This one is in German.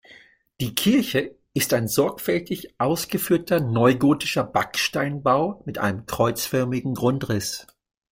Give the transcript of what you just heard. Die Kirche ist ein sorgfältig ausgeführter neugotischer Backsteinbau mit einem kreuzförmigen Grundriss.